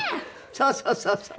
そうそうそうそう。